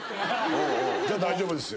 じゃあ大丈夫ですよ。